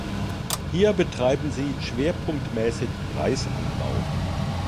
Hier betreiben sie schwerpunktmäßig Reisanbau.